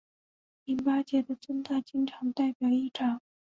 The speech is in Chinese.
淋巴结的增大经常代表异常。